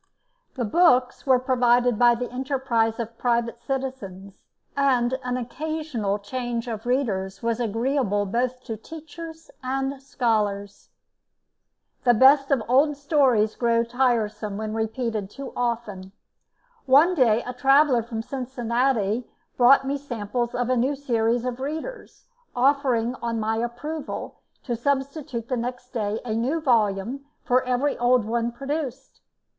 The books were provided by the enterprise of private citizens, and an occasional change of "Readers" was agreeable both to teachers and scholars. The best of old stories grow tiresome when repeated too often. One day a traveller from Cincinnati brought me samples of a new series of "Readers," offering on my approval, to substitute next day a new volume for every old one produced.